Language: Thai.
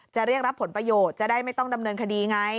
เรียกรับผลประโยชน์จะได้ไม่ต้องดำเนินคดีไง